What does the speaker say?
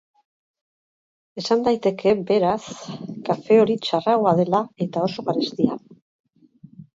Esan daiteke, beraz, kafe hori txarragoa dela eta oso garestia.